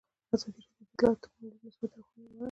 ازادي راډیو د اطلاعاتی تکنالوژي د مثبتو اړخونو یادونه کړې.